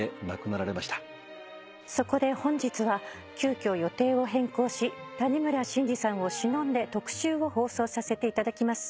そこで本日は急きょ予定を変更し谷村新司さんをしのんで特集を放送させていただきます。